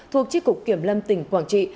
thuộc chi cục kiểm lâm tỉnh quảng trị